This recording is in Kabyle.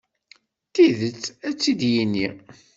Tidet, ad tt-id-yini.